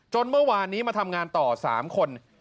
เมื่อวานนี้มาทำงานต่อ๓คน